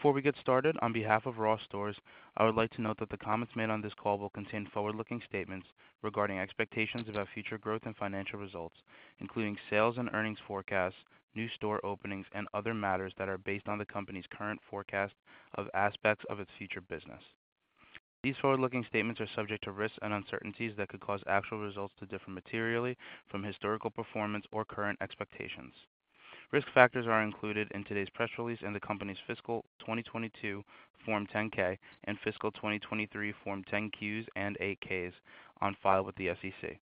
Before we get started, on behalf of Ross Stores, I would like to note that the comments made on this call will contain forward-looking statements regarding expectations about future growth and financial results, including sales and earnings forecasts, new store openings, and other matters that are based on the company's current forecast of aspects of its future business. These forward-looking statements are subject to risks and uncertainties that could cause actual results to differ materially from historical performance or current expectations. Risk factors are included in today's press release and the company's Fiscal 2022 Form 10-K and Fiscal 2023 Form 10-Qs and 8-Ks on file with the SEC.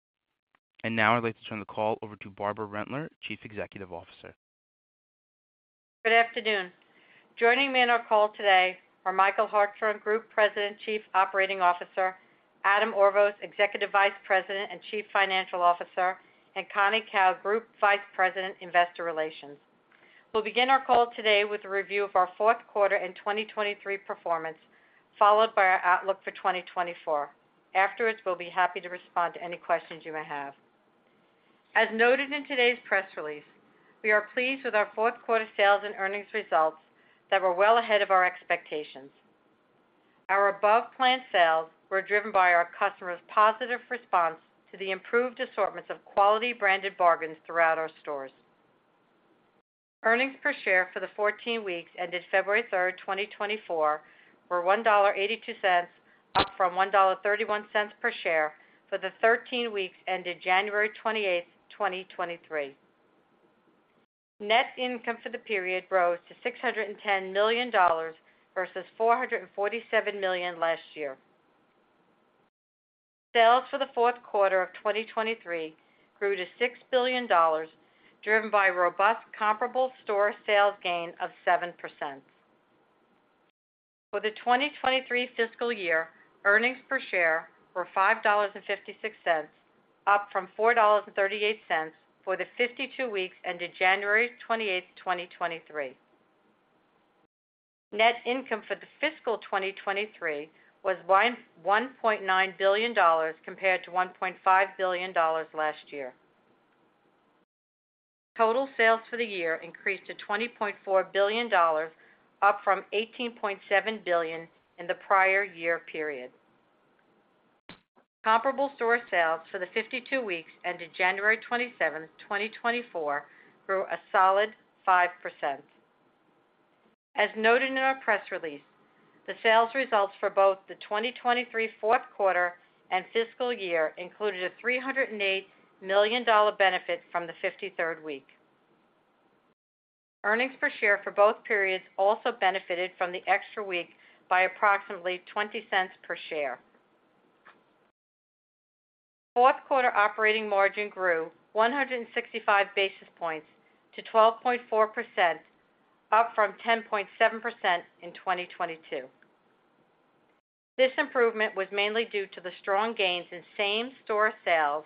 Now I'd like to turn the call over to Barbara Rentler, Chief Executive Officer. Good afternoon. Joining me on our call today are Michael Hartshorn, Group President and Chief Operating Officer, Adam Orvos, Executive Vice President and Chief Financial Officer, and Connie Kao, Group Vice President, Investor Relations. We'll begin our call today with a review of our fourth quarter and 2023 performance, followed by our outlook for 2024. Afterwards, we'll be happy to respond to any questions you may have. As noted in today's press release, we are pleased with our fourth quarter sales and earnings results that were well ahead of our expectations. Our above-planned sales were driven by our customers' positive response to the improved assortments of quality branded bargains throughout our stores. Earnings per share for the 14 weeks ended February 3, 2024, were $1.82, up from $1.31 per share for the 13 weeks ended January 28, 2023. Net income for the period rose to $610 million versus $447 million last year. Sales for the fourth quarter of 2023 grew to $6 billion, driven by robust comparable store sales gain of 7%. For the 2023 fiscal year, earnings per share were $5.56, up from $4.38 for the 52 weeks ended January 28, 2023. Net income for the fiscal 2023 was $1.9 billion compared to $1.5 billion last year. Total sales for the year increased to $20.4 billion, up from $18.7 billion in the prior year period. Comparable store sales for the 52 weeks ended January 27, 2024, grew a solid 5%. As noted in our press release, the sales results for both the 2023 fourth quarter and fiscal year included a $308 million benefit from the 53rd week. Earnings per share for both periods also benefited from the extra week by approximately $0.20 per share. Fourth quarter operating margin grew 165 basis points to 12.4%, up from 10.7% in 2022. This improvement was mainly due to the strong gains in same-store sales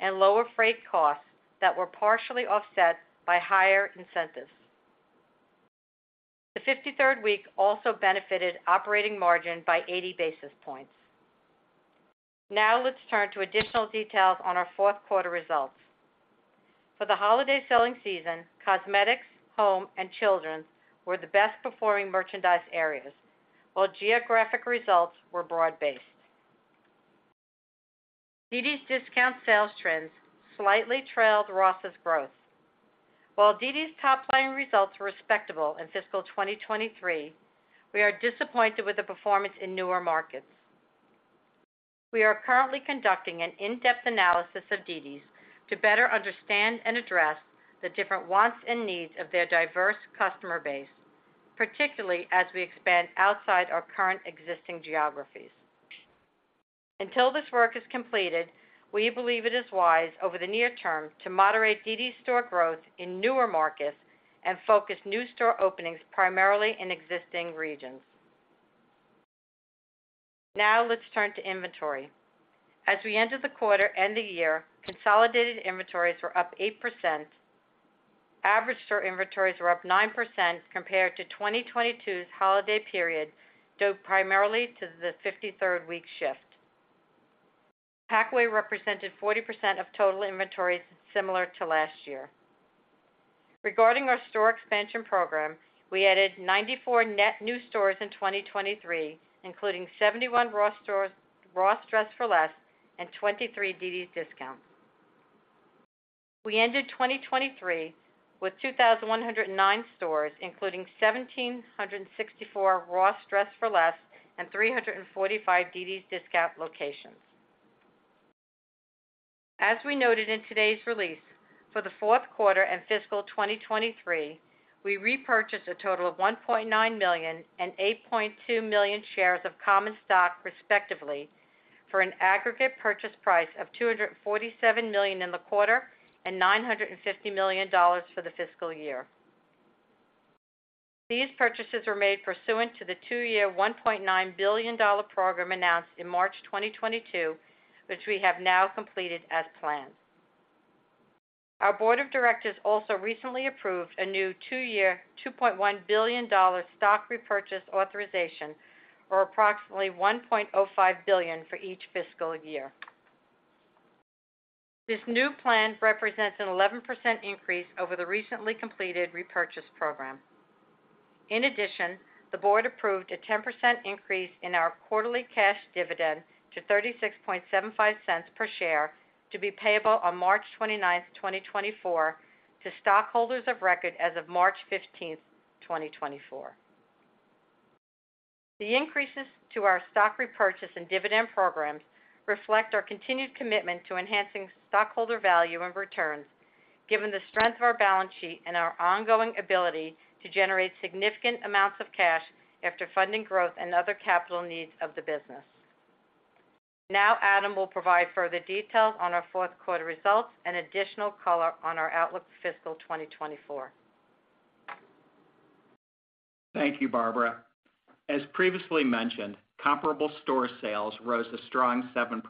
and lower freight costs that were partially offset by higher incentives. The 53rd week also benefited operating margin by 80 basis points. Now let's turn to additional details on our fourth quarter results. For the holiday selling season, cosmetics, home, and children were the best-performing merchandise areas, while geographic results were broad-based. dd's DISCOUNTS sales trends slightly trailed Ross's growth. While dd's DISCOUNTS top-line results were respectable in fiscal 2023, we are disappointed with the performance in newer markets. We are currently conducting an in-depth analysis of dd's DISCOUNTS to better understand and address the different wants and needs of their diverse customer base, particularly as we expand outside our current existing geographies. Until this work is completed, we believe it is wise over the near term to moderate dd's DISCOUNTS store growth in newer markets and focus new store openings primarily in existing regions. Now let's turn to inventory. As we entered the quarter and the year, consolidated inventories were up 8%. Average store inventories were up 9% compared to 2022's holiday period, due primarily to the 53rd week shift. Packaway represented 40% of total inventories, similar to last year. Regarding our store expansion program, we added 94 net new stores in 2023, including 71 Ross Dress for Less and 23 dd's DISCOUNTS. We ended 2023 with 2,109 stores, including 1,764 Ross Dress for Less and 345 dd's DISCOUNTS locations. As we noted in today's release, for the fourth quarter and fiscal 2023, we repurchased a total of 1.9 million and 8.2 million shares of common stock, respectively, for an aggregate purchase price of $247 million in the quarter and $950 million for the fiscal year. These purchases were made pursuant to the two-year $1.9 billion program announced in March 2022, which we have now completed as planned. Our Board of Directors also recently approved a new two-year $2.1 billion stock repurchase authorization, or approximately $1.05 billion, for each fiscal year. This new plan represents an 11% increase over the recently completed repurchase program. In addition, the Board approved a 10% increase in our quarterly cash dividend to $0.3675 per share to be payable on March 29, 2024, to stockholders of record as of March 15, 2024. The increases to our stock repurchase and dividend programs reflect our continued commitment to enhancing stockholder value and returns, given the strength of our balance sheet and our ongoing ability to generate significant amounts of cash after funding growth and other capital needs of the business. Now Adam will provide further details on our fourth quarter results and additional color on our outlook for Fiscal 2024. Thank you, Barbara. As previously mentioned, comparable store sales rose a strong 7%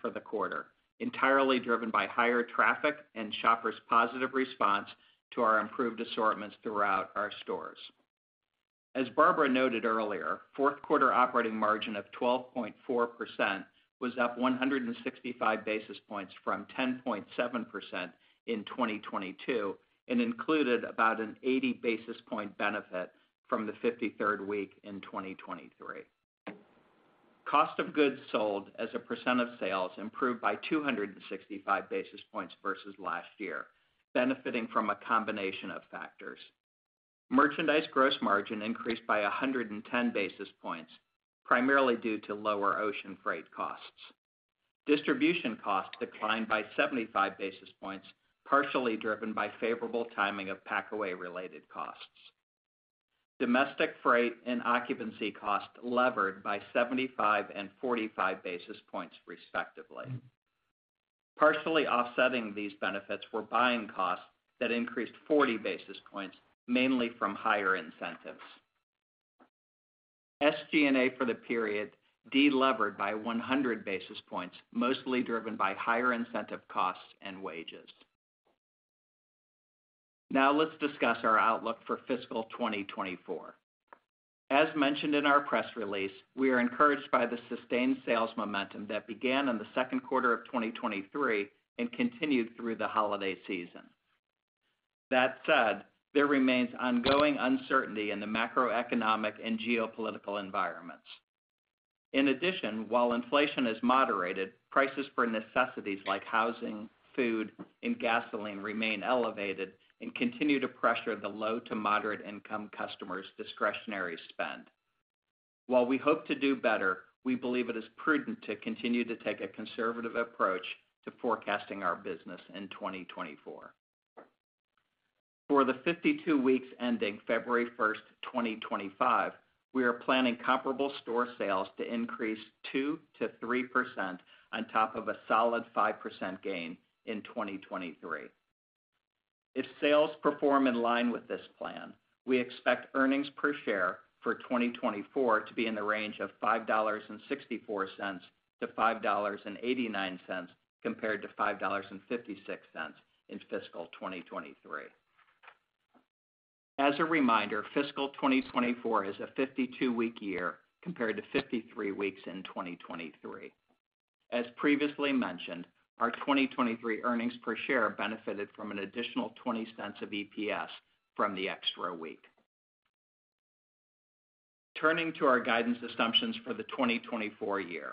for the quarter, entirely driven by higher traffic and shoppers' positive response to our improved assortments throughout our stores. As Barbara noted earlier, fourth quarter operating margin of 12.4% was up 165 basis points from 10.7% in 2022 and included about an 80 basis point benefit from the 53rd week in 2023. Cost of goods sold, as a percent of sales, improved by 265 basis points versus last year, benefiting from a combination of factors. Merchandise gross margin increased by 110 basis points, primarily due to lower ocean freight costs. Distribution costs declined by 75 basis points, partially driven by favorable timing of packaway-related costs. Domestic freight and occupancy costs levered by 75 and 45 basis points, respectively. Partially offsetting these benefits were buying costs that increased 40 basis points, mainly from higher incentives. SG&A for the period de-levered by 100 basis points, mostly driven by higher incentive costs and wages. Now let's discuss our outlook for fiscal 2024. As mentioned in our press release, we are encouraged by the sustained sales momentum that began in the second quarter of 2023 and continued through the holiday season. That said, there remains ongoing uncertainty in the macroeconomic and geopolitical environments. In addition, while inflation is moderated, prices for necessities like housing, food, and gasoline remain elevated and continue to pressure the low-to-moderate-income customers' discretionary spend. While we hope to do better, we believe it is prudent to continue to take a conservative approach to forecasting our business in 2024. For the 52 weeks ending February 1, 2025, we are planning comparable store sales to increase 2%-3% on top of a solid 5% gain in 2023. If sales perform in line with this plan, we expect earnings per share for 2024 to be in the range of $5.64-$5.89 compared to $5.56 in fiscal 2023. As a reminder, fiscal 2024 is a 52-week year compared to 53 weeks in 2023. As previously mentioned, our 2023 earnings per share benefited from an additional $0.20 of EPS from the extra week. Turning to our guidance assumptions for the 2024 year,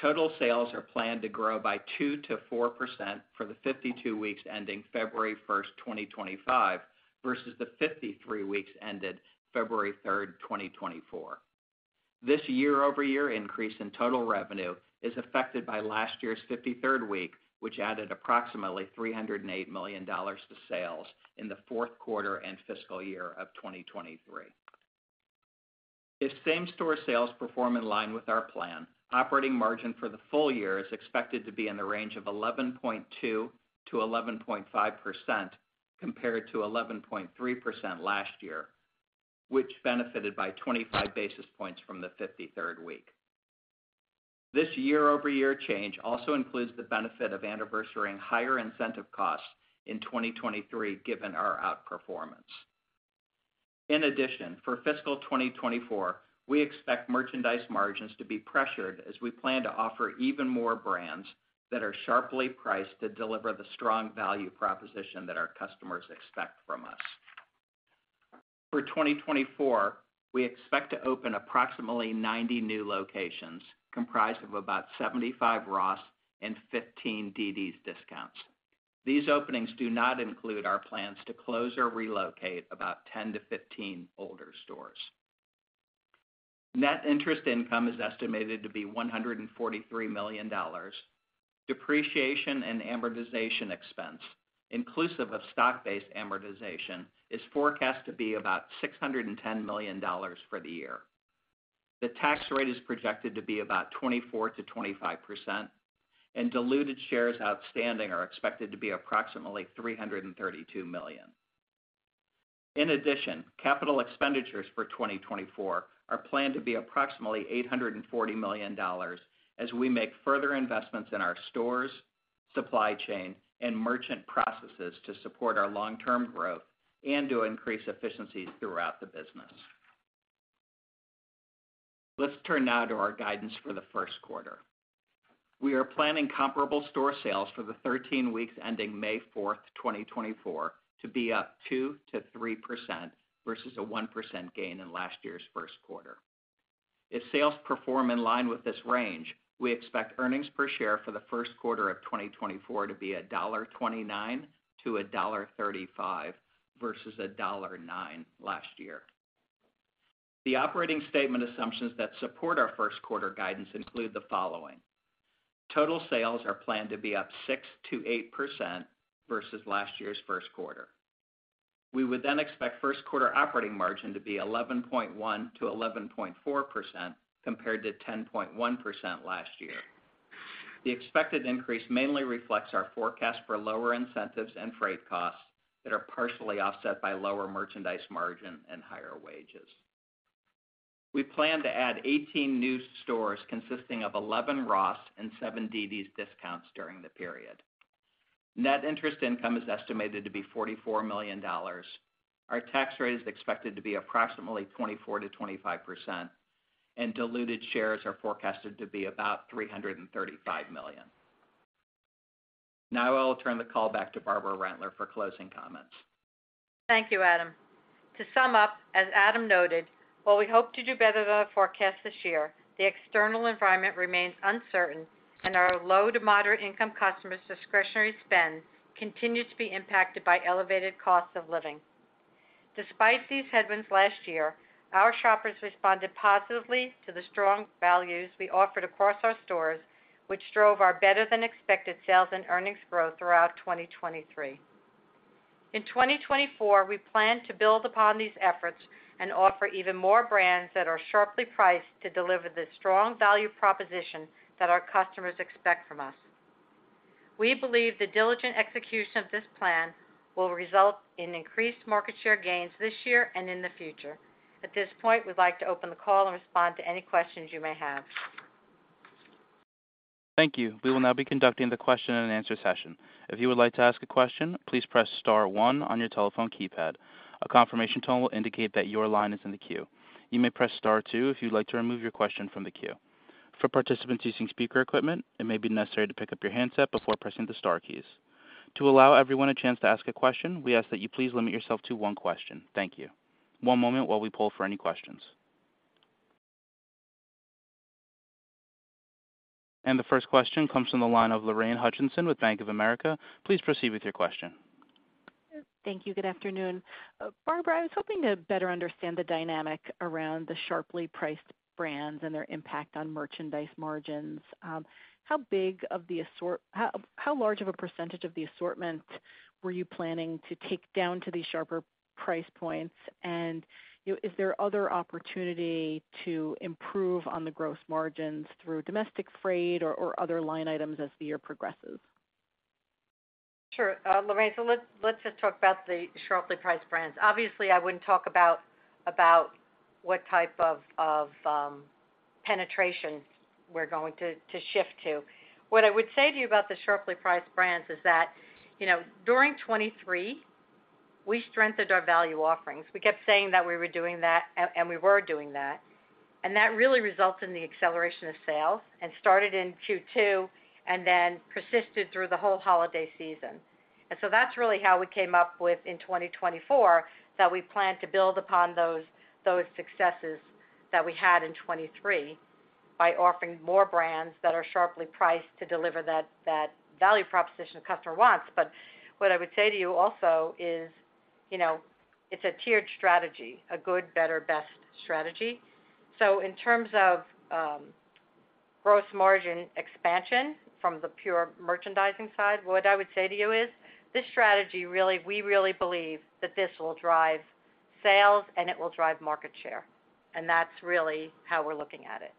total sales are planned to grow by 2%-4% for the 52 weeks ending February 1, 2025, versus the 53 weeks ended February 3, 2024. This year-over-year increase in total revenue is affected by last year's 53rd week, which added approximately $308 million to sales in the fourth quarter and fiscal year of 2023. If same-store sales perform in line with our plan, operating margin for the full year is expected to be in the range of 11.2%-11.5% compared to 11.3% last year, which benefited by 25 basis points from the 53rd week. This year-over-year change also includes the benefit of anniversary higher incentive costs in 2023, given our outperformance. In addition, for fiscal 2024, we expect merchandise margins to be pressured as we plan to offer even more brands that are sharply priced to deliver the strong value proposition that our customers expect from us. For 2024, we expect to open approximately 90 new locations comprised of about 75 Ross and 15 dd's DISCOUNTS. These openings do not include our plans to close or relocate about 10-15 older stores. Net interest income is estimated to be $143 million. Depreciation and amortization expense, inclusive of stock-based amortization, is forecast to be about $610 million for the year. The tax rate is projected to be about 24%-25%, and diluted shares outstanding are expected to be approximately 332 million. In addition, capital expenditures for 2024 are planned to be approximately $840 million as we make further investments in our stores, supply chain, and merchant processes to support our long-term growth and to increase efficiencies throughout the business. Let's turn now to our guidance for the first quarter. We are planning comparable store sales for the 13 weeks ending May 4, 2024, to be up 2%-3% versus a 1% gain in last year's first quarter. If sales perform in line with this range, we expect earnings per share for the first quarter of 2024 to be $1.29-$1.35 versus $1.09 last year. The operating statement assumptions that support our first quarter guidance include the following: total sales are planned to be up 6%-8% versus last year's first quarter. We would then expect first quarter operating margin to be 11.1%-11.4% compared to 10.1% last year. The expected increase mainly reflects our forecast for lower incentives and freight costs that are partially offset by lower merchandise margin and higher wages. We plan to add 18 new stores consisting of 11 Ross and 7 dd's DISCOUNTS during the period. Net interest income is estimated to be $44 million. Our tax rate is expected to be approximately 24%-25%, and diluted shares are forecasted to be about 335 million. Now I'll turn the call back to Barbara Rentler for closing comments. Thank you, Adam. To sum up, as Adam noted, while we hope to do better than our forecast this year, the external environment remains uncertain, and our low-to-moderate-income customers' discretionary spend continues to be impacted by elevated costs of living. Despite these headwinds last year, our shoppers responded positively to the strong values we offered across our stores, which drove our better-than-expected sales and earnings growth throughout 2023. In 2024, we plan to build upon these efforts and offer even more brands that are sharply priced to deliver the strong value proposition that our customers expect from us. We believe the diligent execution of this plan will result in increased market share gains this year and in the future. At this point, we'd like to open the call and respond to any questions you may have. Thank you. We will now be conducting the question-and-answer session. If you would like to ask a question, please press star one on your telephone keypad. A confirmation tone will indicate that your line is in the queue. You may press star two if you'd like to remove your question from the queue. For participants using speaker equipment, it may be necessary to pick up your handset before pressing the star keys. To allow everyone a chance to ask a question, we ask that you please limit yourself to one question. Thank you. One moment while we pull for any questions. The first question comes from the line of Lorraine Hutchinson with Bank of America. Please proceed with your question. Thank you. Good afternoon. Barbara, I was hoping to better understand the dynamic around the sharply priced brands and their impact on merchandise margins. How large of a percentage of the assortment were you planning to take down to these sharper price points, and is there other opportunity to improve on the gross margins through domestic freight or other line items as the year progresses? Sure, Lorraine. So let's just talk about the sharply priced brands. Obviously, I wouldn't talk about what type of penetration we're going to shift to. What I would say to you about the sharply priced brands is that during 2023, we strengthened our value offerings. We kept saying that we were doing that, and we were doing that. And that really resulted in the acceleration of sales and started in Q2 and then persisted through the whole holiday season. And so that's really how we came up with, in 2024, that we plan to build upon those successes that we had in 2023 by offering more brands that are sharply priced to deliver that value proposition the customer wants. But what I would say to you also is it's a tiered strategy, a good, better, best strategy. So in terms of gross margin expansion from the pure merchandising side, what I would say to you is this strategy, really, we really believe that this will drive sales and it will drive market share. That's really how we're looking at it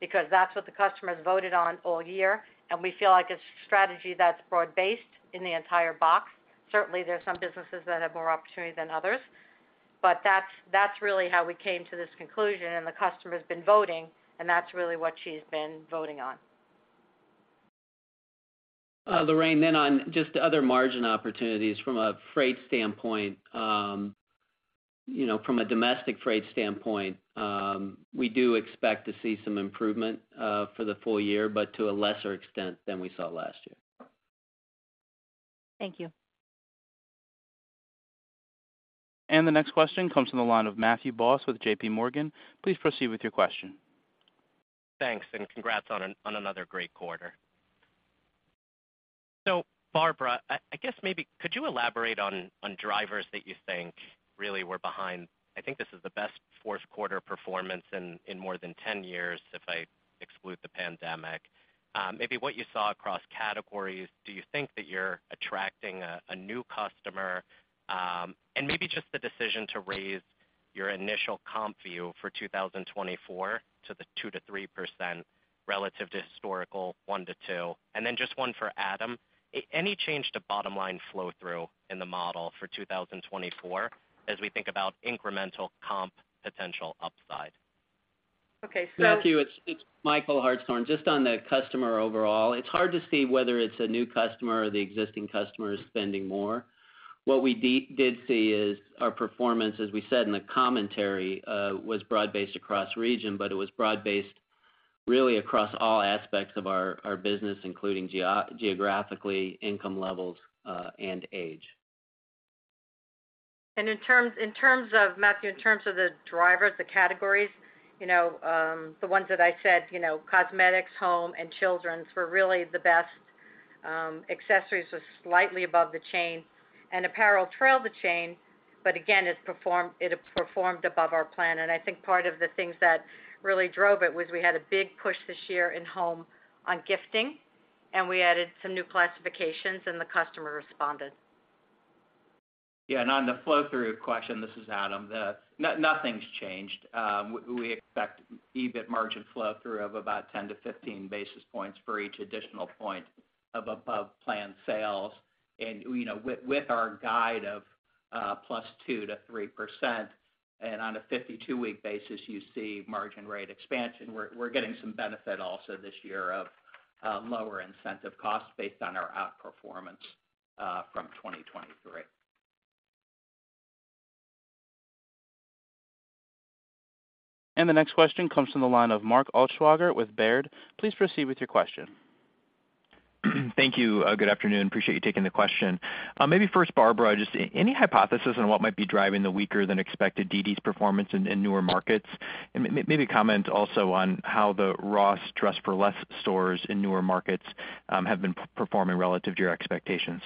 because that's what the customer has voted on all year, and we feel like it's a strategy that's broad-based in the entire box. Certainly, there's some businesses that have more opportunity than others, but that's really how we came to this conclusion, and the customer's been voting, and that's really what she's been voting on. Lorraine, then on just other margin opportunities from a freight standpoint, from a domestic freight standpoint, we do expect to see some improvement for the full year, but to a lesser extent than we saw last year. Thank you. The next question comes from the line of Matthew Boss with J.P. Morgan. Please proceed with your question. Thanks, and congrats on another great quarter. So Barbara, I guess maybe could you elaborate on drivers that you think really were behind I think this is the best fourth quarter performance in more than 10 years if I exclude the pandemic. Maybe what you saw across categories, do you think that you're attracting a new customer? And maybe just the decision to raise your initial comp view for 2024 to the 2%-3% relative to historical 1%-2%. And then just one for Adam, any change to bottom-line flow-through in the model for 2024 as we think about incremental comp potential upside? Okay. So. Matthew, it's Michael Hartshorn. Just on the customer overall, it's hard to see whether it's a new customer or the existing customer is spending more. What we did see is our performance, as we said in the commentary, was broad-based across region, but it was broad-based really across all aspects of our business, including geographically, income levels, and age. In terms of Matthew, in terms of the drivers, the categories, the ones that I said, cosmetics, home, and children's were really the best. Accessories were slightly above the chain, and apparel trailed the chain, but again, it performed above our plan. I think part of the things that really drove it was we had a big push this year in home on gifting, and we added some new classifications, and the customer responded. Yeah. On the flow-through question, this is Adam. Nothing's changed. We expect EBIT margin flow-through of about 10-15 basis points for each additional point of above-plan sales. With our guide of +2%-3%, and on a 52-week basis, you see margin rate expansion. We're getting some benefit also this year of lower incentive costs based on our outperformance from 2023. The next question comes from the line of Mark Altschwager with Baird. Please proceed with your question. Thank you. Good afternoon. Appreciate you taking the question. Maybe first, Barbara, just any hypothesis on what might be driving the weaker-than-expected dd's DISCOUNTS performance in newer markets? And maybe comment also on how the Ross Dress for Less stores in newer markets have been performing relative to your expectations.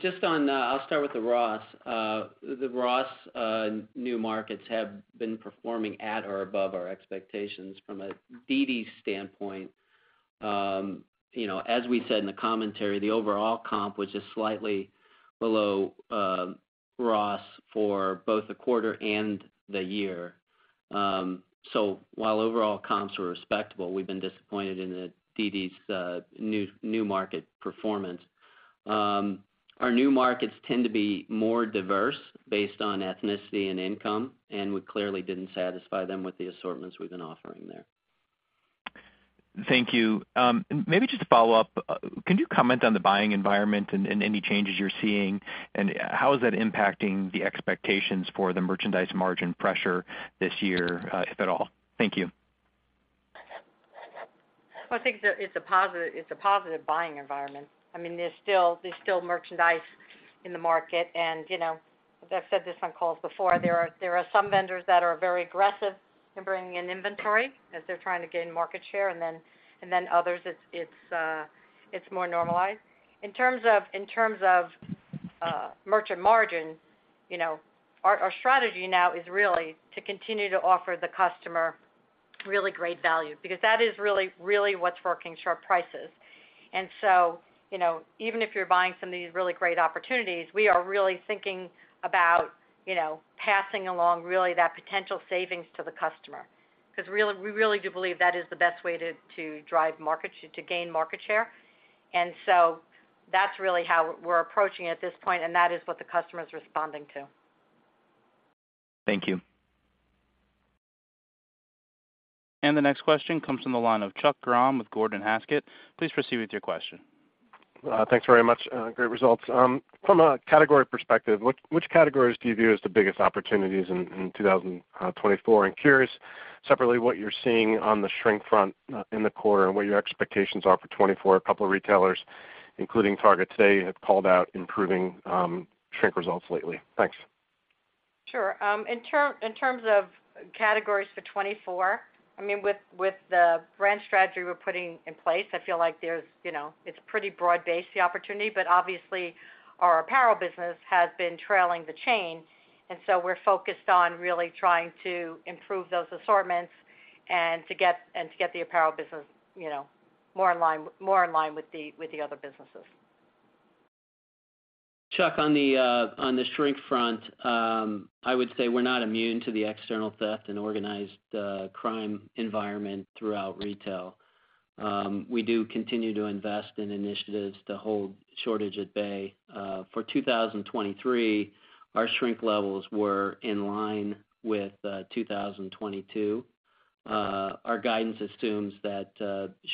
Just on, I'll start with the Ross. The Ross new markets have been performing at or above our expectations from a dd's standpoint. As we said in the commentary, the overall comp was just slightly below Ross for both the quarter and the year. So while overall comps were respectable, we've been disappointed in the dd's new market performance. Our new markets tend to be more diverse based on ethnicity and income, and we clearly didn't satisfy them with the assortments we've been offering there. Thank you. Maybe just to follow up, can you comment on the buying environment and any changes you're seeing, and how is that impacting the expectations for the merchandise margin pressure this year, if at all? Thank you. Well, I think it's a positive buying environment. I mean, there's still merchandise in the market, and I've said this on calls before. There are some vendors that are very aggressive in bringing in inventory as they're trying to gain market share, and then others, it's more normalized. In terms of merchandise margin, our strategy now is really to continue to offer the customer really great value because that is really what's working sharp prices. And so even if you're buying some of these really great opportunities, we are really thinking about passing along really that potential savings to the customer because we really do believe that is the best way to drive market, to gain market share. And so that's really how we're approaching it at this point, and that is what the customer's responding to. Thank you. The next question comes from the line of Chuck Grom with Gordon Haskett. Please proceed with your question. Thanks very much. Great results. From a category perspective, which categories do you view as the biggest opportunities in 2024? Curious separately what you're seeing on the shrink front in the quarter and what your expectations are for 2024. A couple of retailers, including Target today, have called out improving shrink results lately. Thanks. Sure. In terms of categories for 2024, I mean, with the brand strategy we're putting in place, I feel like there is, it's pretty broad-based, the opportunity, but obviously, our apparel business has been trailing the chain. And so we're focused on really trying to improve those assortments and to get the apparel business more in line with the other businesses. Chuck, on the shrink front, I would say we're not immune to the external theft and organized crime environment throughout retail. We do continue to invest in initiatives to hold shortage at bay. For 2023, our shrink levels were in line with 2022. Our guidance assumes that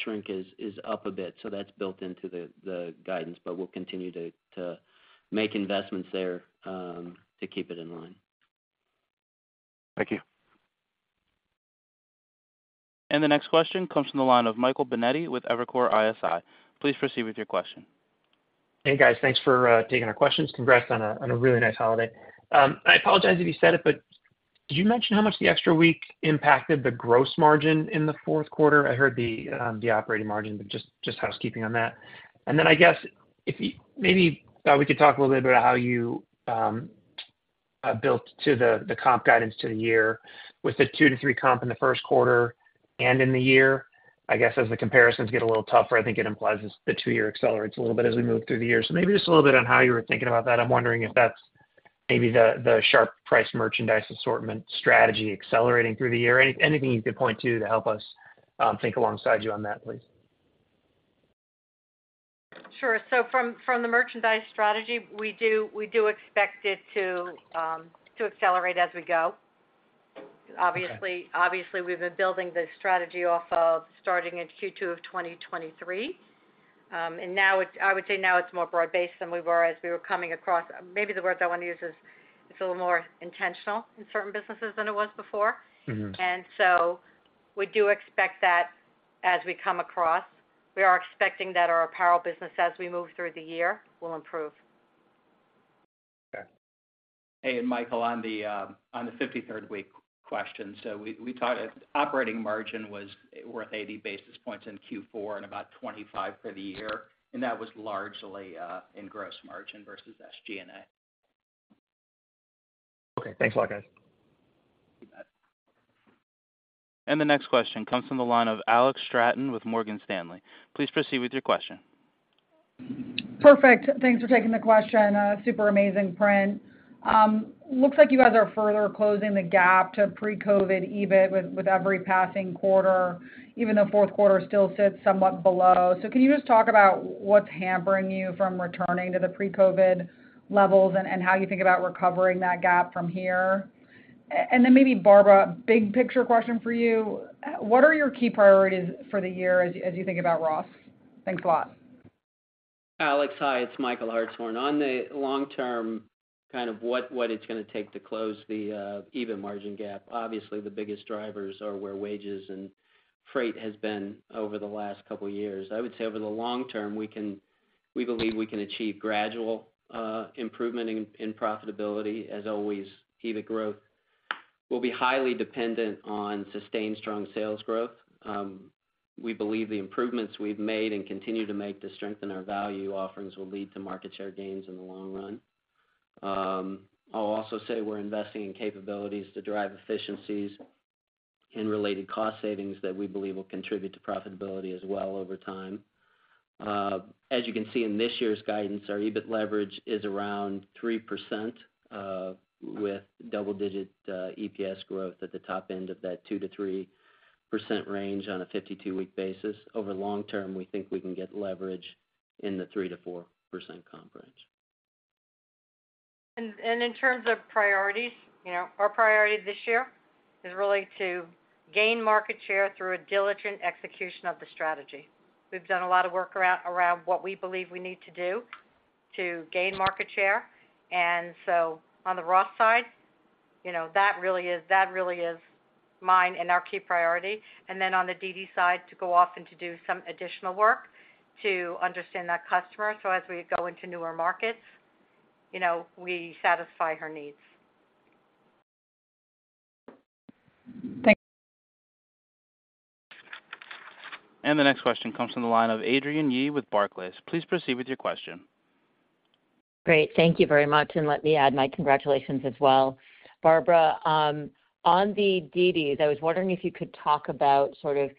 shrink is up a bit, so that's built into the guidance, but we'll continue to make investments there to keep it in line. Thank you. The next question comes from the line of Michael Binetti with Evercore ISI. Please proceed with your question. Hey, guys. Thanks for taking our questions. Congrats on a really nice holiday. I apologize if you said it, but did you mention how much the extra week impacted the gross margin in the fourth quarter? I heard the operating margin, but just housekeeping on that. And then I guess maybe we could talk a little bit about how you built to the comp guidance to the year with the 2-3 comp in the first quarter and in the year. I guess as the comparisons get a little tougher, I think it implies the two-year accelerates a little bit as we move through the year. So maybe just a little bit on how you were thinking about that. I'm wondering if that's maybe the sharply priced merchandise assortment strategy accelerating through the year. Anything you could point to to help us think alongside you on that, please. Sure. So from the merchandise strategy, we do expect it to accelerate as we go. Obviously, we've been building the strategy off of starting in Q2 of 2023. I would say now it's more broad-based than we were as we were coming across maybe the word that I want to use is it's a little more intentional in certain businesses than it was before. So we do expect that as we come across. We are expecting that our apparel business as we move through the year will improve. Okay. Hey, and Michael, on the 53rd week question. So we thought operating margin was worth 80 basis points in Q4 and about 25 for the year, and that was largely in gross margin versus SG&A. Okay. Thanks a lot, guys. You bet. The next question comes from the line of Alex Straton with Morgan Stanley. Please proceed with your question. Perfect. Thanks for taking the question. Super amazing print. Looks like you guys are further closing the gap to pre-COVID EBIT with every passing quarter, even though fourth quarter still sits somewhat below. So can you just talk about what's hampering you from returning to the pre-COVID levels and how you think about recovering that gap from here? And then maybe, Barbara, big picture question for you. What are your key priorities for the year as you think about Ross? Thanks a lot. Alex, hi. It's Michael Hartshorn. On the long term, kind of what it's going to take to close the EBIT margin gap, obviously, the biggest drivers are where wages and freight has been over the last couple of years. I would say over the long term, we believe we can achieve gradual improvement in profitability. As always, EBIT growth will be highly dependent on sustained strong sales growth. We believe the improvements we've made and continue to make to strengthen our value offerings will lead to market share gains in the long run. I'll also say we're investing in capabilities to drive efficiencies and related cost savings that we believe will contribute to profitability as well over time. As you can see in this year's guidance, our EBIT leverage is around 3% with double-digit EPS growth at the top end of that 2%-3% range on a 52-week basis. Over long term, we think we can get leverage in the 3%-4% comp range. In terms of priorities, our priority this year is really to gain market share through a diligent execution of the strategy. We've done a lot of work around what we believe we need to do to gain market share. So on the Ross side, that really is mine and our key priority. Then on the dd's side, to go off and to do some additional work to understand that customer so as we go into newer markets, we satisfy her needs. Thank you. The next question comes from the line of Adrienne Yih with Barclays. Please proceed with your question. Great. Thank you very much. And let me add my congratulations as well. Barbara, on the dd's, I was wondering if you could talk about sort of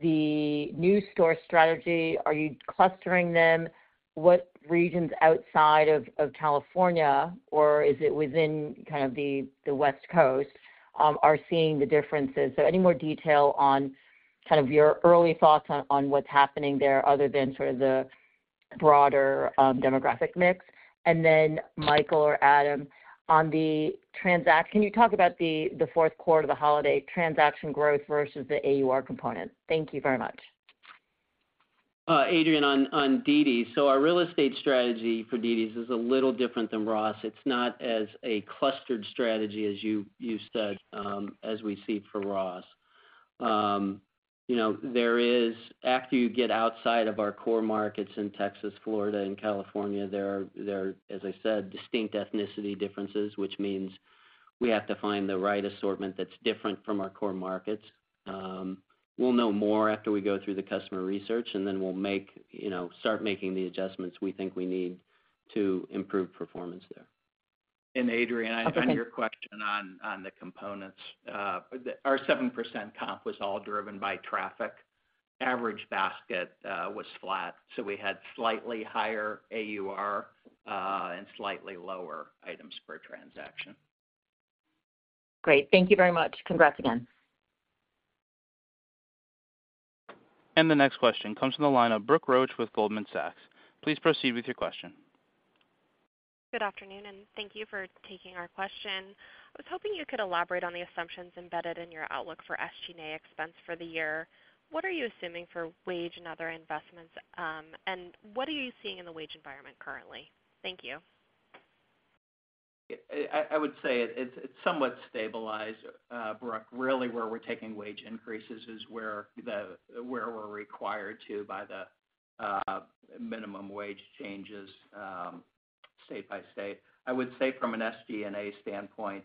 the new store strategy. Are you clustering them? What regions outside of California, or is it within kind of the West Coast, are seeing the differences? So any more detail on kind of your early thoughts on what's happening there other than sort of the broader demographic mix? And then, Michael or Adam, on the can you talk about the fourth quarter of the holiday, transaction growth versus the AUR component? Thank you very much. Adrienne, on dd's DISCOUNTS. So our real estate strategy for dd's DISCOUNTS is a little different than Ross. It's not as a clustered strategy as you said as we see for Ross. After you get outside of our core markets in Texas, Florida, and California, there are, as I said, distinct ethnicity differences, which means we have to find the right assortment that's different from our core markets. We'll know more after we go through the customer research, and then we'll start making the adjustments we think we need to improve performance there. Adrienne, on your question on the components, our 7% comp was all driven by traffic. Average basket was flat, so we had slightly higher AUR and slightly lower items per transaction. Great. Thank you very much. Congrats again. The next question comes from the line of Brooke Roach with Goldman Sachs. Please proceed with your question. Good afternoon, and thank you for taking our question. I was hoping you could elaborate on the assumptions embedded in your outlook for SG&A expense for the year. What are you assuming for wage and other investments, and what are you seeing in the wage environment currently? Thank you. I would say it's somewhat stabilized, Brooke. Really, where we're taking wage increases is where we're required to by the minimum wage changes state by state. I would say from an SG&A standpoint,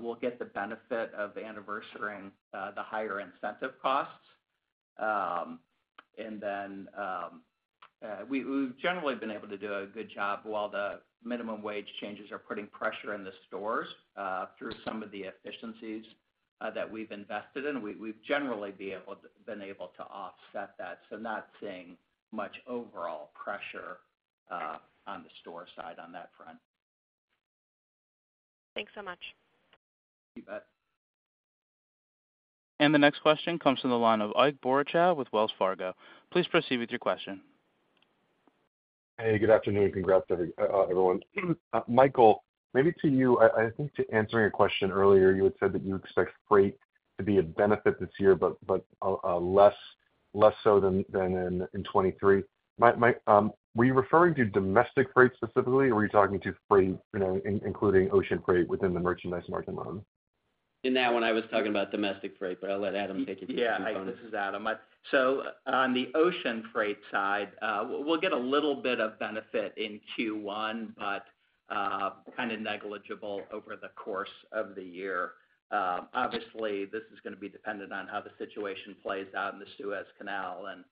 we'll get the benefit of anniversarying the higher incentive costs. And then we've generally been able to do a good job while the minimum wage changes are putting pressure in the stores through some of the efficiencies that we've invested in. We've generally been able to offset that, so not seeing much overall pressure on the store side on that front. Thanks so much. You bet. The next question comes from the line of Ike Boruchow with Wells Fargo. Please proceed with your question. Hey, good afternoon. Congrats, everyone. Michael, maybe to you. I think to answering your question earlier, you had said that you expect freight to be a benefit this year, but less so than in 2023. Were you referring to domestic freight specifically, or were you talking to freight, including ocean freight within the merchandise margin line? In that one, I was talking about domestic freight, but I'll let Adam take it to his components. Yeah. This is Adam. So on the ocean freight side, we'll get a little bit of benefit in Q1, but kind of negligible over the course of the year. Obviously, this is going to be dependent on how the situation plays out in the Suez Canal and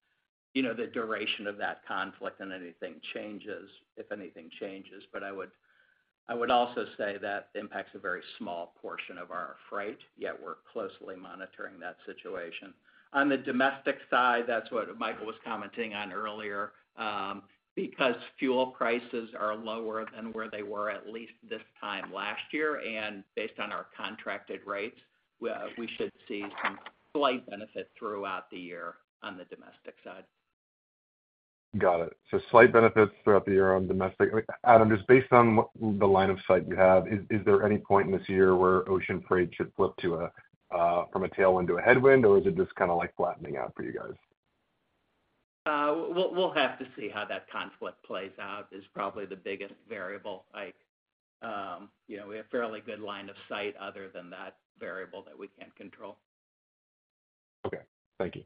the duration of that conflict and if anything changes. But I would also say that impacts a very small portion of our freight, yet we're closely monitoring that situation. On the domestic side, that's what Michael was commenting on earlier, because fuel prices are lower than where they were at least this time last year. Based on our contracted rates, we should see some slight benefit throughout the year on the domestic side. Got it. So slight benefits throughout the year on domestic. Adam, just based on the line of sight you have, is there any point in this year where ocean freight should flip from a tailwind to a headwind, or is it just kind of flattening out for you guys? We'll have to see how that conflict plays out is probably the biggest variable, Ike. We have fairly good line of sight other than that variable that we can't control. Okay. Thank you.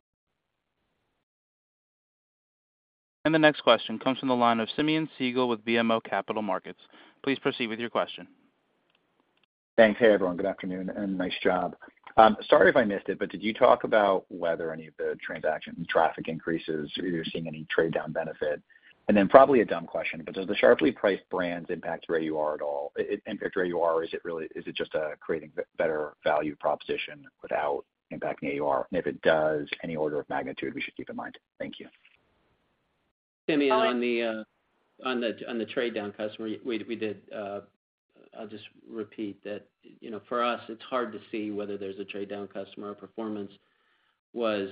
The next question comes from the line of Simeon Siegel with BMO Capital Markets. Please proceed with your question. Thanks. Hey, everyone. Good afternoon and nice job. Sorry if I missed it, but did you talk about whether any of the transaction traffic increases or you're seeing any trade-down benefit? And then probably a dumb question, but does the sharply priced brands impact your AUR at all? It impacts your AUR. Is it just creating better value proposition without impacting AUR? And if it does, any order of magnitude we should keep in mind. Thank you. Simeon, on the trade-down customer, we did. I'll just repeat that for us, it's hard to see whether there's a trade-down customer. Performance was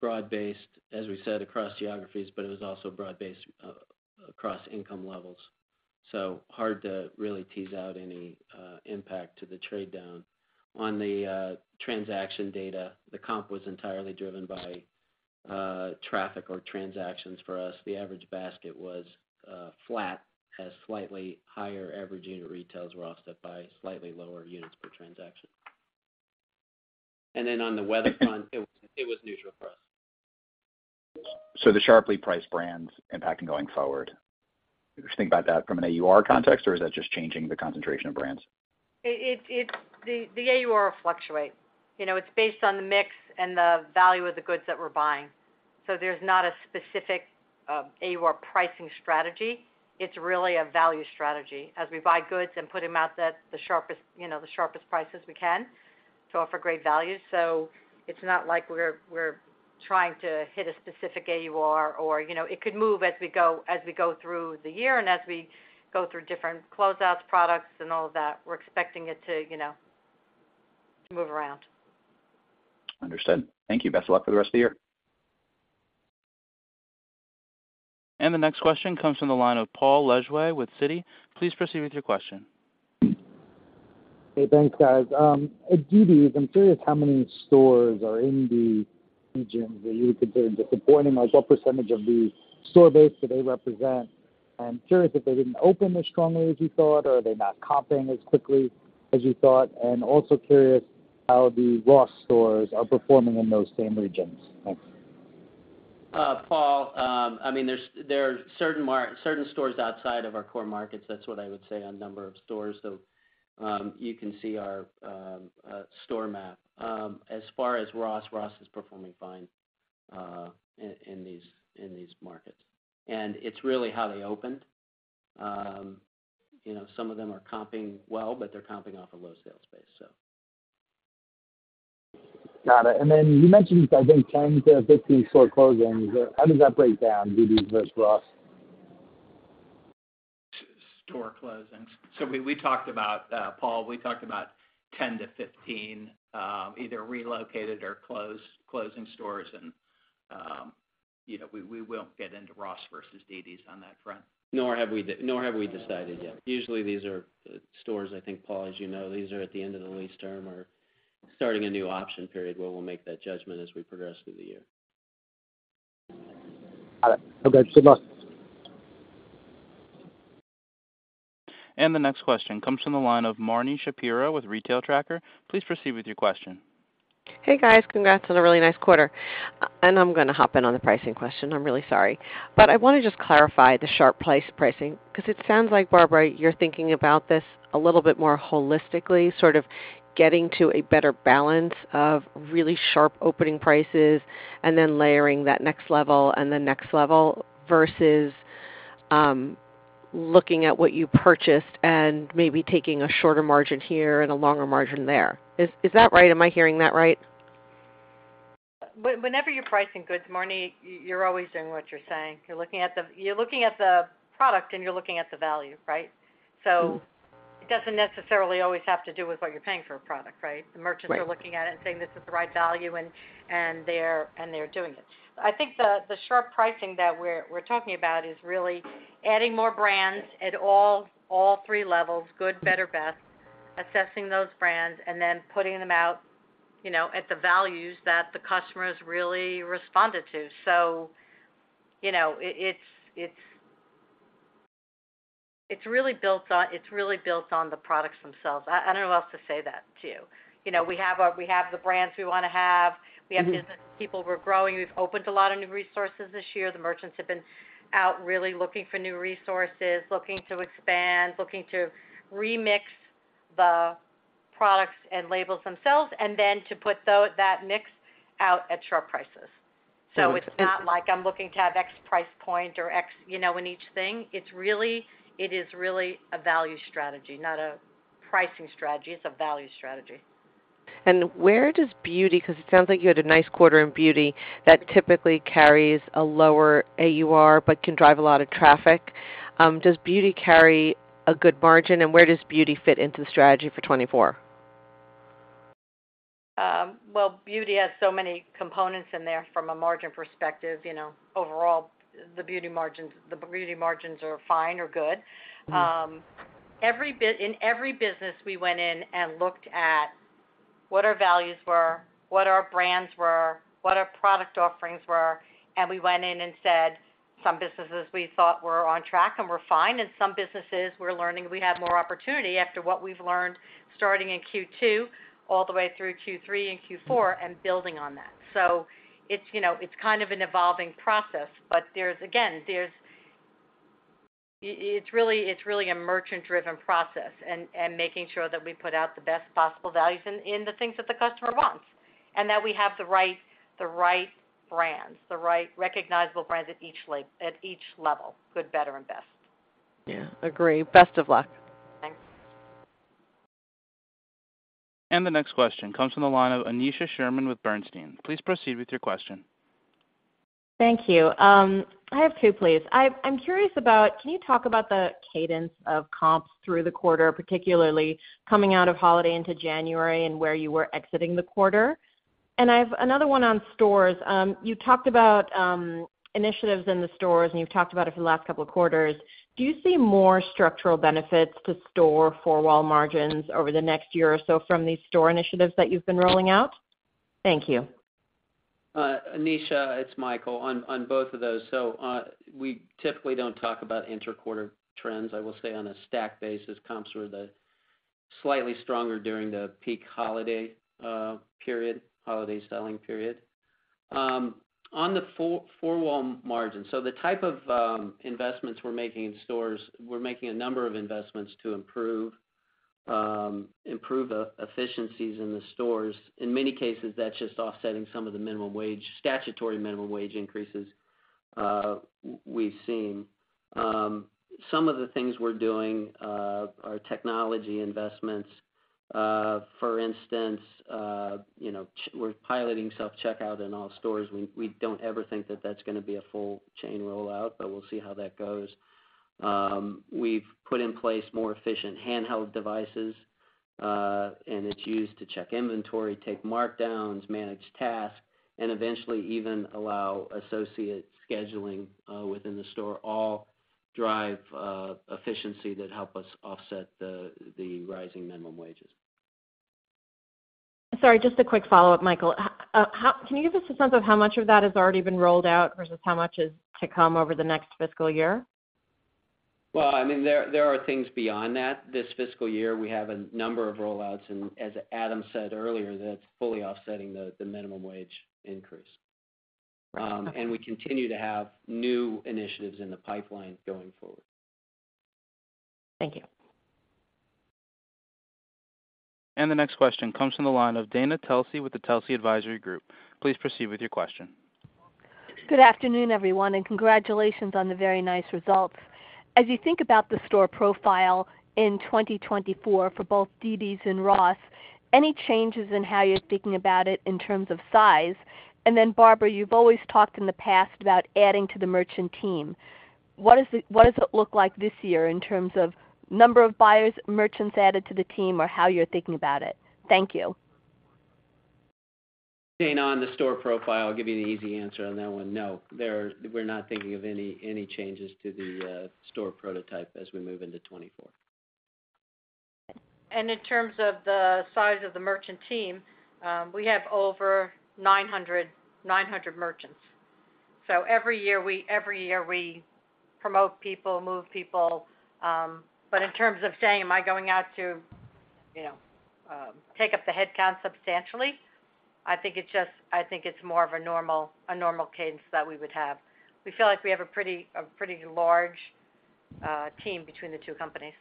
broad-based, as we said, across geographies, but it was also broad-based across income levels. So hard to really tease out any impact to the trade-down. On the transaction data, the comp was entirely driven by traffic or transactions for us. The average basket was flat, as slightly higher average unit retails were offset by slightly lower units per transaction. And then on the weather front, it was neutral for us. The sharply priced brands impacting going forward. Do you think about that from an AUR context, or is that just changing the concentration of brands? The AUR will fluctuate. It's based on the mix and the value of the goods that we're buying. So there's not a specific AUR pricing strategy. It's really a value strategy. As we buy goods and put them at the sharpest prices we can to offer great values, so it's not like we're trying to hit a specific AUR or it could move as we go through the year and as we go through different closeouts, products, and all of that, we're expecting it to move around. Understood. Thank you. Best of luck for the rest of the year. The next question comes from the line of Paul Lejuez with Citi. Please proceed with your question. Hey, thanks, guys. dd's DISCOUNTS, I'm curious how many stores are in the regions that you would consider disappointing? What percentage of the store base do they represent? And I'm curious if they didn't open as strongly as you thought, or are they not comping as quickly as you thought? And also curious how the Ross Stores are performing in those same regions. Thanks. Paul, I mean, there are certain stores outside of our core markets. That's what I would say on number of stores, though you can see our store map. As far as Ross, Ross is performing fine in these markets. It's really how they opened. Some of them are comping well, but they're comping off a low sales base, so. Got it. And then you mentioned, I think, 10-15 store closings. How does that break down, dd's versus Ross? Store closings. So we talked about Paul, we talked about 10-15 either relocated or closing stores, and we won't get into Ross versus dd's DISCOUNTS on that front. Nor have we decided yet. Usually, these are stores, I think, Paul, as you know, these are at the end of the lease term or starting a new option period, where we'll make that judgment as we progress through the year. Got it. Okay. Good luck. The next question comes from the line of Marni Shapiro with The Retail Tracker. Please proceed with your question. Hey, guys. Congrats on a really nice quarter. I'm going to hop in on the pricing question. I'm really sorry. I want to just clarify the sharp pricing because it sounds like, Barbara, you're thinking about this a little bit more holistically, sort of getting to a better balance of really sharp opening prices and then layering that next level and the next level versus looking at what you purchased and maybe taking a shorter margin here and a longer margin there. Is that right? Am I hearing that right? Whenever you're pricing goods, Marni, you're always doing what you're saying. You're looking at the product, and you're looking at the value, right? So it doesn't necessarily always have to do with what you're paying for a product, right? The merchants are looking at it and saying, "This is the right value," and they're doing it. I think the sharp pricing that we're talking about is really adding more brands at all three levels, good, better, best, assessing those brands, and then putting them out at the values that the customers really responded to. So it's really built on the products themselves. I don't know what else to say to you. We have the brands we want to have. We have business people we're growing. We've opened a lot of new resources this year. The merchants have been out really looking for new resources, looking to expand, looking to remix the products and labels themselves, and then to put that mix out at sharp prices. So it's not like I'm looking to have X price point or X in each thing. It is really a value strategy, not a pricing strategy. It's a value strategy. Where does beauty, because it sounds like you had a nice quarter in beauty that typically carries a lower AUR but can drive a lot of traffic? Does beauty carry a good margin, and where does beauty fit into the strategy for 2024? Well, beauty has so many components in there from a margin perspective. Overall, the beauty margins are fine or good. In every business, we went in and looked at what our values were, what our brands were, what our product offerings were, and we went in and said, "Some businesses we thought were on track and were fine, and some businesses, we're learning we have more opportunity after what we've learned starting in Q2 all the way through Q3 and Q4 and building on that." So it's kind of an evolving process, but again, it's really a merchant-driven process and making sure that we put out the best possible values in the things that the customer wants and that we have the right brands, the right recognizable brands at each level, good, better, and best. Yeah. Agree. Best of luck. Thanks. The next question comes from the line of Aneesha Sherman with Bernstein. Please proceed with your question. Thank you. I have two, please. I'm curious about can you talk about the cadence of comps through the quarter, particularly coming out of holiday into January and where you were exiting the quarter? And I have another one on stores. You talked about initiatives in the stores, and you've talked about it for the last couple of quarters. Do you see more structural benefits to store forward margins over the next year or so from these store initiatives that you've been rolling out? Thank you. Aneesha, it's Michael on both of those. So we typically don't talk about interquarter trends. I will say on a stack basis, comps were slightly stronger during the peak holiday period, holiday selling period. On the forward margin, so the type of investments we're making in stores, we're making a number of investments to improve efficiencies in the stores. In many cases, that's just offsetting some of the statutory minimum wage increases we've seen. Some of the things we're doing are technology investments. For instance, we're piloting self-checkout in all stores. We don't ever think that that's going to be a full-chain rollout, but we'll see how that goes. We've put in place more efficient handheld devices, and it's used to check inventory, take markdowns, manage tasks, and eventually even allow associate scheduling within the store. All drive efficiency that help us offset the rising minimum wages. Sorry, just a quick follow-up, Michael. Can you give us a sense of how much of that has already been rolled out versus how much is to come over the next fiscal year? Well, I mean, there are things beyond that. This fiscal year, we have a number of rollouts, and as Adam said earlier, that's fully offsetting the minimum wage increase. We continue to have new initiatives in the pipeline going forward. Thank you. The next question comes from the line of Dana Telsey with the Telsey Advisory Group. Please proceed with your question. Good afternoon, everyone, and congratulations on the very nice results. As you think about the store profile in 2024 for both dd's and Ross, any changes in how you're thinking about it in terms of size? And then, Barbara, you've always talked in the past about adding to the merchant team. What does it look like this year in terms of number of buyers, merchants added to the team, or how you're thinking about it? Thank you. Dana, on the store profile, I'll give you an easy answer on that one. No, we're not thinking of any changes to the store prototype as we move into 2024. In terms of the size of the merchant team, we have over 900 merchants. So every year, we promote people, move people. But in terms of saying, "Am I going out to take up the headcount substantially?" I think it's more of a normal cadence that we would have. We feel like we have a pretty large team between the two companies.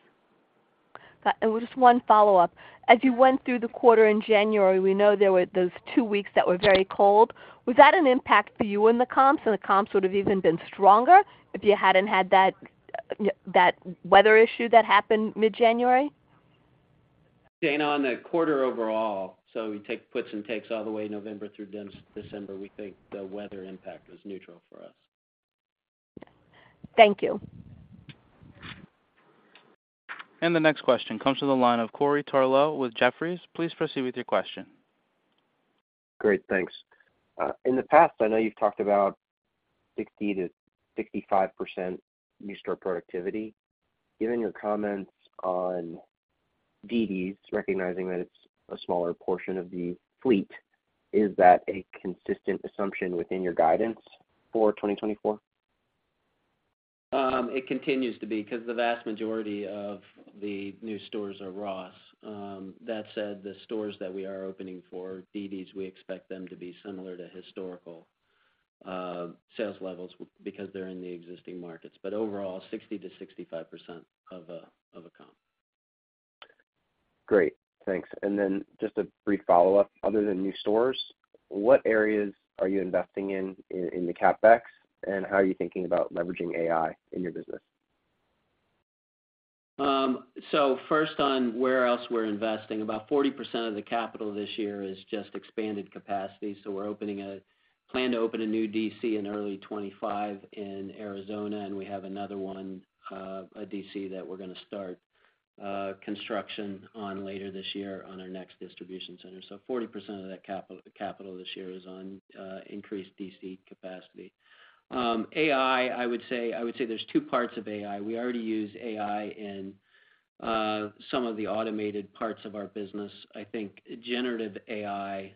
Got it. Just one follow-up. As you went through the quarter in January, we know there were those two weeks that were very cold. Was that an impact for you in the comps, and the comps would have even been stronger if you hadn't had that weather issue that happened mid-January? Dana, on the quarter overall, so we take puts and takes all the way November through December, we think the weather impact was neutral for us. Thank you. The next question comes from the line of Corey Tarlowe with Jefferies. Please proceed with your question. Great. Thanks. In the past, I know you've talked about 60%-65% new store productivity. Given your comments on dd's DISCOUNTS, recognizing that it's a smaller portion of the fleet, is that a consistent assumption within your guidance for 2024? It continues to be because the vast majority of the new stores are Ross. That said, the stores that we are opening for dd's, we expect them to be similar to historical sales levels because they're in the existing markets. But overall, 60%-65% of a comp. Great. Thanks. Just a brief follow-up. Other than new stores, what areas are you investing in the CapEx, and how are you thinking about leveraging AI in your business? So first on where else we're investing, about 40% of the capital this year is just expanded capacity. So we're planning to open a new DC in early 2025 in Arizona, and we have another one, a DC that we're going to start construction on later this year on our next distribution center. So 40% of that capital this year is on increased DC capacity. AI, I would say there's two parts of AI. We already use AI in some of the automated parts of our business. I think generative AI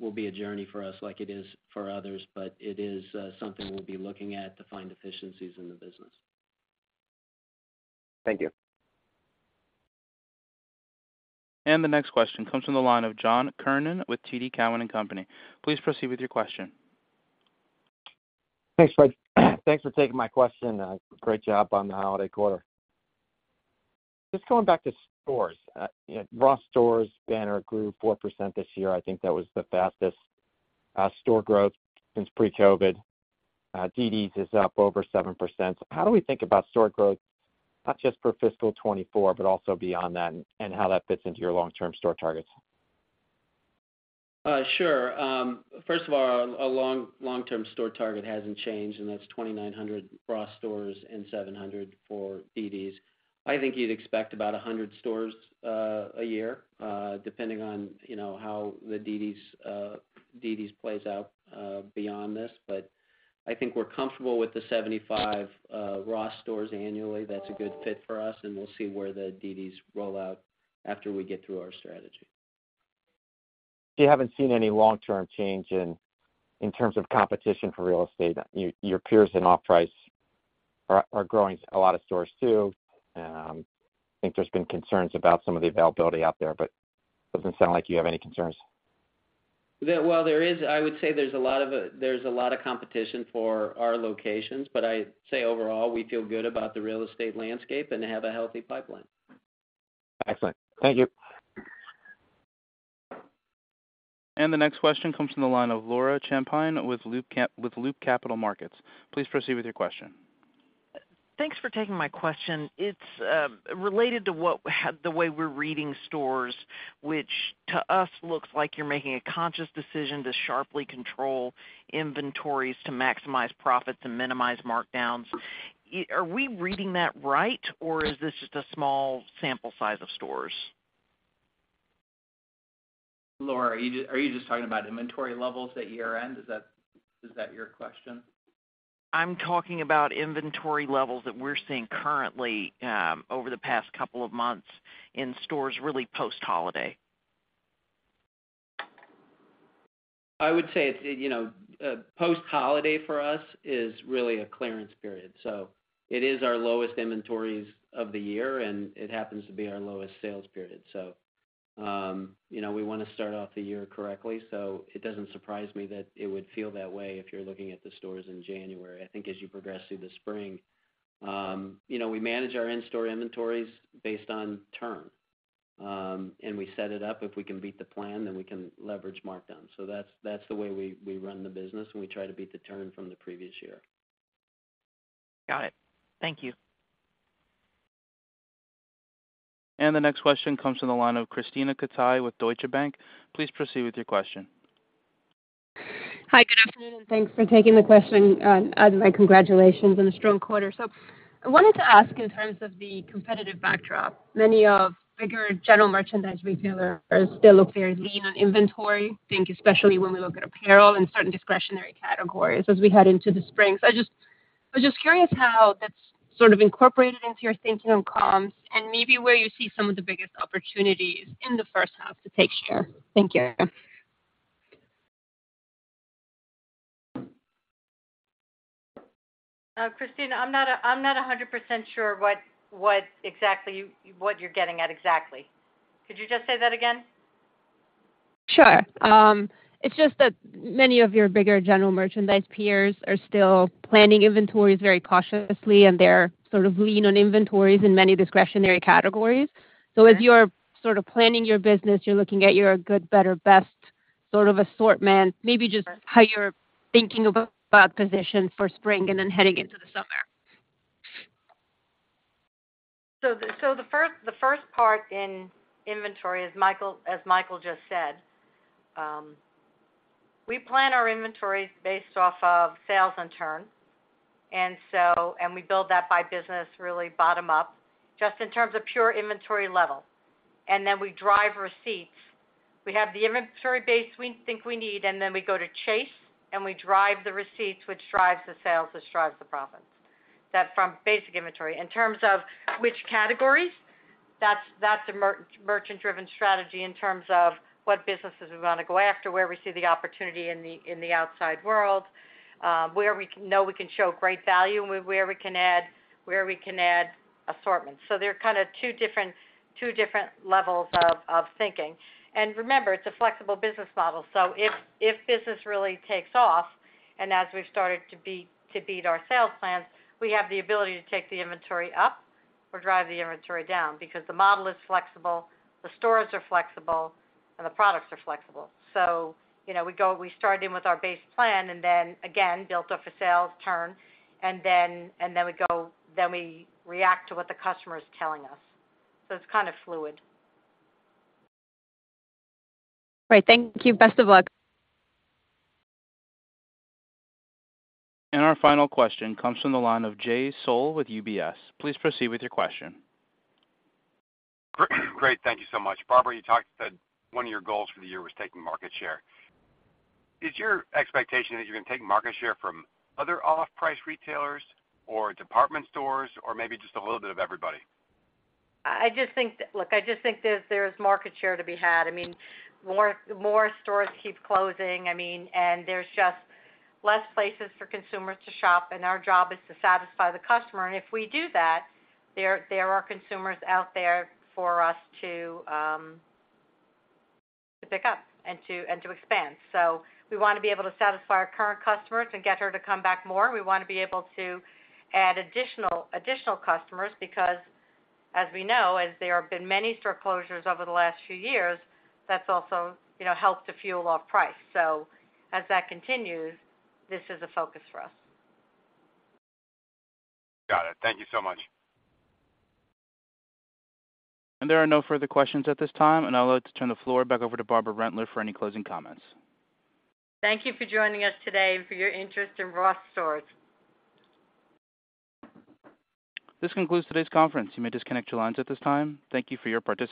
will be a journey for us like it is for others, but it is something we'll be looking at to find efficiencies in the business. Thank you. The next question comes from the line of John Kernan with TD Cowen and Company. Please proceed with your question. Thanks, Fred. Thanks for taking my question. Great job on the holiday quarter. Just going back to stores, Ross Stores' banner grew 4% this year. I think that was the fastest store growth since pre-COVID. dd's is up over 7%. How do we think about store growth, not just for fiscal 2024 but also beyond that, and how that fits into your long-term store targets? Sure. First of all, our long-term store target hasn't changed, and that's 2,900 Ross stores and 700 for dd's. I think you'd expect about 100 stores a year, depending on how the dd's plays out beyond this. But I think we're comfortable with the 75 Ross stores annually. That's a good fit for us, and we'll see where the dd's roll out after we get through our strategy. You haven't seen any long-term change in terms of competition for real estate. Your peers in off-price are growing a lot of stores too. I think there's been concerns about some of the availability out there, but it doesn't sound like you have any concerns. Well, there is. I would say there's a lot of competition for our locations, but I'd say overall, we feel good about the real estate landscape and have a healthy pipeline. Excellent. Thank you. The next question comes from the line of Laura Champine with Loop Capital Markets. Please proceed with your question. Thanks for taking my question. It's related to the way we're reading stores, which to us looks like you're making a conscious decision to sharply control inventories to maximize profits and minimize markdowns. Are we reading that right, or is this just a small sample size of stores? Laura, are you just talking about inventory levels at year-end? Is that your question? I'm talking about inventory levels that we're seeing currently over the past couple of months in stores, really post-holiday. I would say post-holiday for us is really a clearance period. So it is our lowest inventories of the year, and it happens to be our lowest sales period. So we want to start off the year correctly. So it doesn't surprise me that it would feel that way if you're looking at the stores in January. I think as you progress through the spring, we manage our in-store inventories based on turn, and we set it up. If we can beat the plan, then we can leverage markdowns. So that's the way we run the business, and we try to beat the turn from the previous year. Got it. Thank you. The next question comes from the line of Krisztina Katai with Deutsche Bank. Please proceed with your question. Hi. Good afternoon, and thanks for taking the question. My congratulations on a strong quarter. I wanted to ask in terms of the competitive backdrop. Many of bigger general merchandise retailers still look very lean on inventory, I think, especially when we look at apparel and certain discretionary categories as we head into the spring. I was just curious how that's sort of incorporated into your thinking on comps and maybe where you see some of the biggest opportunities in the first half to take share. Thank you. Krisztina, I'm not 100% sure what you're getting at exactly. Could you just say that again? Sure. It's just that many of your bigger general merchandise peers are still planning inventories very cautiously, and they're sort of lean on inventories in many discretionary categories. So as you're sort of planning your business, you're looking at your good, better, best sort of assortment, maybe just how you're thinking about positions for spring and then heading into the summer. So the first part in inventory, as Michael just said, we plan our inventories based off of sales and turn, and we build that by business, really bottom-up, just in terms of pure inventory level. And then we drive receipts. We have the inventory base we think we need, and then we go to chase, and we drive the receipts, which drives the sales, which drives the profits. That's from basic inventory. In terms of which categories, that's a merchant-driven strategy in terms of what businesses we want to go after, where we see the opportunity in the outside world, where we know we can show great value, and where we can add assortments. So they're kind of two different levels of thinking. And remember, it's a flexible business model. So if business really takes off, and as we've started to beat our sales plans, we have the ability to take the inventory up or drive the inventory down because the model is flexible, the stores are flexible, and the products are flexible. So we started in with our base plan and then, again, built up for sales, turn, and then we react to what the customer is telling us. So it's kind of fluid. Great. Thank you. Best of luck. Our final question comes from the line of Jay Sole with UBS. Please proceed with your question. Great. Thank you so much. Barbara, you said one of your goals for the year was taking market share. Is your expectation that you're going to take market share from other off-price retailers or department stores or maybe just a little bit of everybody? Look, I just think there's market share to be had. I mean, more stores keep closing, and there's just less places for consumers to shop, and our job is to satisfy the customer. And if we do that, there are consumers out there for us to pick up and to expand. So we want to be able to satisfy our current customers and get her to come back more. We want to be able to add additional customers because, as we know, as there have been many store closures over the last few years, that's also helped to fuel off-price. So as that continues, this is a focus for us. Got it. Thank you so much. There are no further questions at this time, and I'll allow you to turn the floor back over to Barbara Rentler for any closing comments. Thank you for joining us today and for your interest in Ross Stores. This concludes today's conference. You may disconnect your lines at this time. Thank you for your participation.